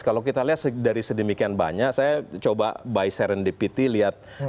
kalau kita lihat dari sedemikian banyak saya coba by serendipity lihat